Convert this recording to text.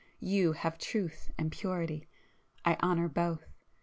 You have truth and purity—I honour both.